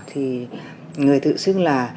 thì người thự xưng là